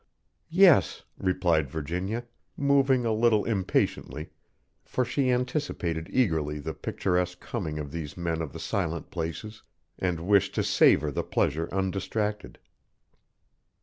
"Yes," replied Virginia, moving a little impatiently, for she anticipated eagerly the picturesque coming of these men of the Silent Places, and wished to savor the pleasure undistracted.